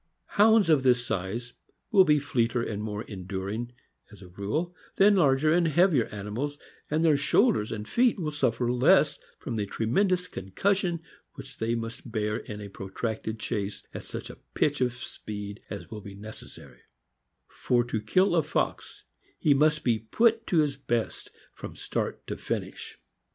Hounds of this size will be fleeter and more enduring, as a rule, than larger and heavier animals, and their shoul ders and feet will suffer less from the tremendous concus sion which they must bear in a protracted chase at such a pitch of speed as will be necessary; for to kill a fox he must be put to his best from start to finish.